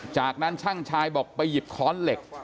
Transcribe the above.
จากนั้นช่างชายบอกไปหยิบค้อนเหล็ก